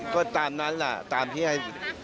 ก็ตามนั้นแหละตามที่ให้